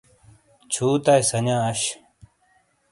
چھوتائی سانیاں اش۔